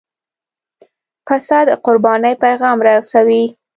پسه د قربانۍ پیغام رسوي.